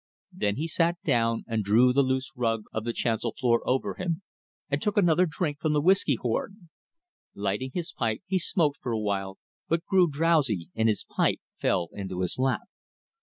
Then he sat down and drew the loose rug of the chancel floor over him, and took another drink from the whiskey horn. Lighting his pipe, he smoked for a while, but grew drowsy, and his pipe fell into his lap.